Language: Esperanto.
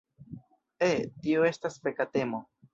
Eh, tio estas feka temo.